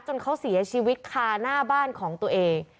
จนเขาเสียชีวิตคาหน้าบ้านของตัวเอง